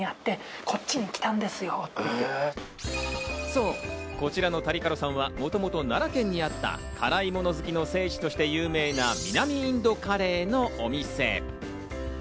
そう、こちらのタリカロさんは、もともと奈良県にあった、辛いもの好きの聖地として有名な南インドカレーのお店。